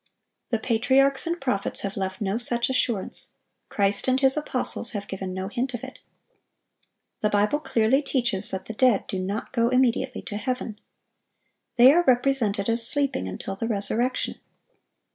The patriarchs and prophets have left no such assurance. Christ and His apostles have given no hint of it. The Bible clearly teaches that the dead do not go immediately to heaven. They are represented as sleeping until the resurrection.